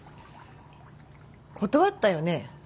断ったよね？